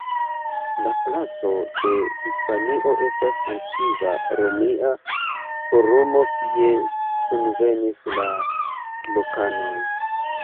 La placo de Hispanio estas antikva Romia Forumo kie kunvenis la lokanoj.